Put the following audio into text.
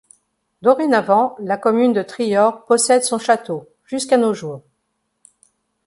Dorénavant, la commune de Triors possède son château, jusqu'à nos jours.